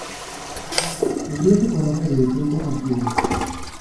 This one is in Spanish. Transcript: El río se conoce desde tiempos antiguos.